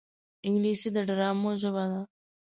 انګلیسي د ډرامو ژبه ده